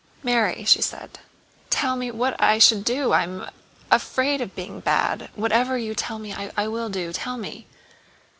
"Mary," said she, "tell me what I should do! I am afraid of being bad. Whatever you tell me, I will do. Tell me...."